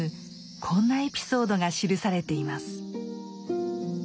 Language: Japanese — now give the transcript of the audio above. こんなエピソードが記されています。